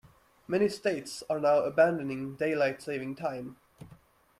Many states are now abandoning Daylight Saving Time.